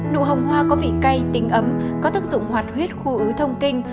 nụ hồng hoa có vị cay tinh ấm có thức dụng hoạt huyết khu ứ thông kinh